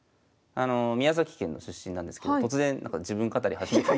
宮崎県の出身なんですけど突然なんか自分語り始めたみたいな。